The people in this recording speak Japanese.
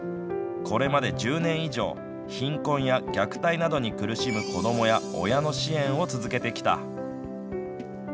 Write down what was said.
これまで１０年以上貧困や虐待などに苦しむ子どもや親の支援を続けてきた。